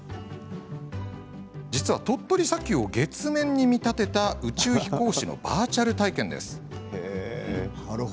実は、鳥取砂丘を月面に見立てた宇宙飛行士のバーチャル体験です。